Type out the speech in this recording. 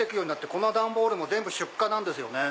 この段ボールも全部出荷なんです。